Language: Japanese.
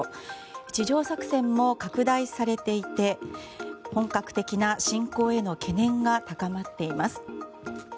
地上作戦も拡大されていて本格的な侵攻への懸念が高まっています。